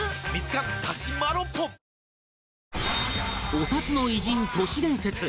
お札の偉人都市伝説